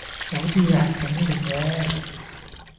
有啲野係整定嘅